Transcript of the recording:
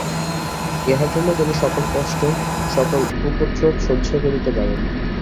ইহার জন্য তিনি সকল কষ্ট সকল উপদ্রব সহ্য করিতে পারেন।